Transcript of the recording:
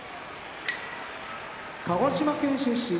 鹿児島県出身